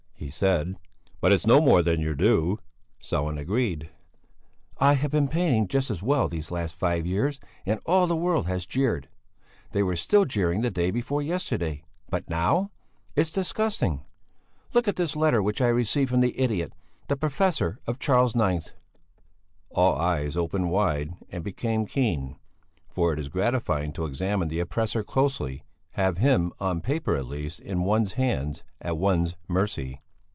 he said, "but it's no more than your due." Sellén agreed. "I have been painting just as well these last five years and all the world has jeered; they were still jeering the day before yesterday, but now! It's disgusting! Look at this letter which I received from the idiot, the professor of Charles IX!" All eyes opened wide and became keen, for it is gratifying to examine the oppressor closely, have him on paper at least in one's hands, at one's mercy.